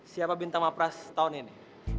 siapa bintang mapras tahun ini